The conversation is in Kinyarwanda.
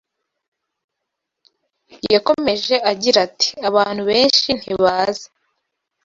Yakomeje agira ati “Abantu benshi ntibazi